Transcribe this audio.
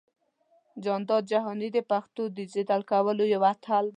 جانداد جهاني د پښتو ډىجيټل کولو يو اتل دى.